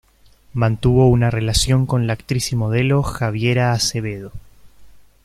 Mantuvo una relación con la actriz y modelo Javiera Acevedo.